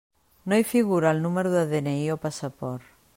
No hi figura el número de DNI o passaport.